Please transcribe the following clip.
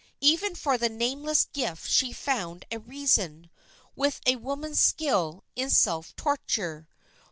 Even for the nameless gift she found a reason, with a woman's skill, in self torture.